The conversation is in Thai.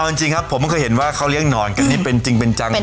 เอาจริงครับผมเคยเห็นว่าเขาเลี้ยงหนอนกันนี่เป็นจริงเป็นจัง